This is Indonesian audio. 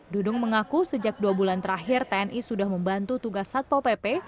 dudung mengaku sejak dua bulan terakhir tni sudah membantu tugas satpo pp